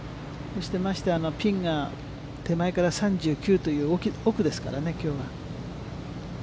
まして、ピンが手前から３９という奥ですからね、きょうは。